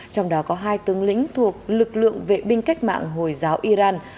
trong đó có hai tướng lĩnh thuộc lực lượng vệ binh cách mạng hồi giáo iran